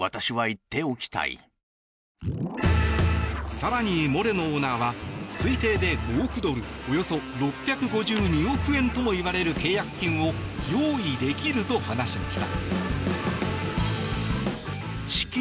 更に、モレノオーナーは推定で５億ドルおよそ６５２億円ともいわれる契約金を用意できると話しました。